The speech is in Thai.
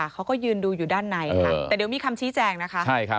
เขาก็ยืนดูอยู่ด้านในค่ะแต่เดี๋ยวมีคำชี้แจงนะคะ